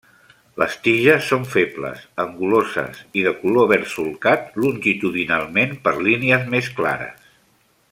Les tiges són febles, anguloses i de color verd solcat longitudinalment per línies més clares.